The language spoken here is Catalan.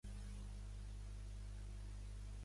Va estudiar amb Johannes Muller a la Universitat de Berlín.